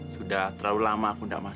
sudah terlalu lama aku tidak masuk